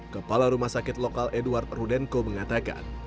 kepala rumah sakit lokal edward rudenko mengatakan